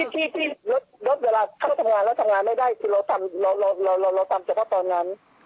ที่รถเวลาเข้าทำงานแล้วทำงานไม่ได้คือเราทำเฉพาะตอนนั้น